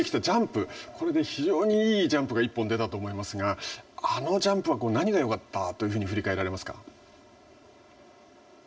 ジャンプこれで非常にいいジャンプが１本出たと思いますが、あのジャンプは何がよかったというふうに振りかえられますか。